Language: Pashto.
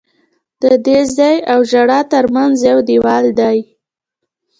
د دې ځای او ژړا ترمنځ یو دیوال دی.